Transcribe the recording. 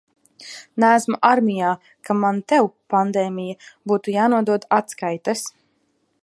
Neesmu armijā, ka man tev, pandēmija, būtu jānodod atskaites.